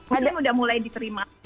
mungkin sudah mulai diterima